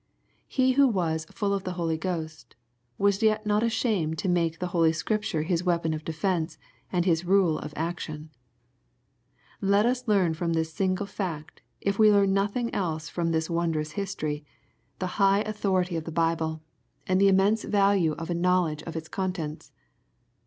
He who was " full of the Holy Ghost," * was yet not ashamed to make the Holy Scripture His weapon of defence, and His rule of action. ^^^^ >4^v^ r^ i .^^.y. Let us learn from this single fact, if we learn nothing else from this wondrous history, the high authority of 112 EXPOSITOBY THOUGHTS. fhe Bible^ and the immense value of a knowledge of its contents.